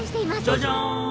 「じゃじゃん！」